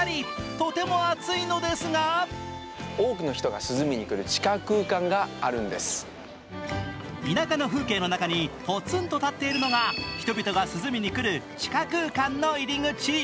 とても暑いのですが田舎の風景の中にぽつんと立っているのが人々が涼みに来る、地下空間の入り口。